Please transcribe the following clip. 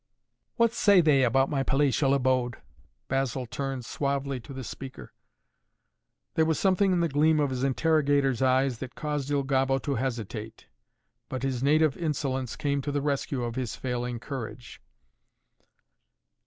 "What say they about my palatial abode?" Basil turned suavely to the speaker. There was something in the gleam of his interrogator's eyes that caused Il Gobbo to hesitate. But his native insolence came to the rescue of his failing courage.